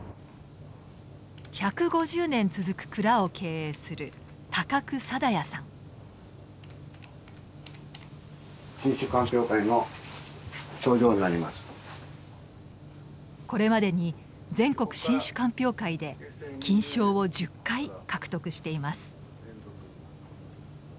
１５０年続く蔵を経営するこれまでに全国新酒鑑評会で金賞を１０回獲得しています。